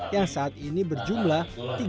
yang saat ini berjumlah